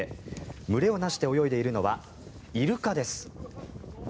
群れを成して泳いでいるのはイルカです。